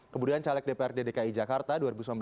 kemudian caleg dprd dki jakarta